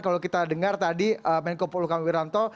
kalau kita dengar tadi menko polo kang wiranto